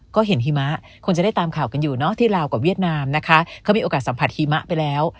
ก็เห็นหิมะคนจะได้ตามข่าวกันอยู่เนาะที่ลาวกับเวียดนามนะคะเขามีโอกาสสัมผัสหิมะไปแล้ว